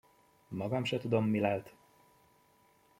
Magam sem tudom, mi lelt.